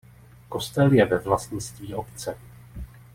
Kostel je ve vlastnictví obce.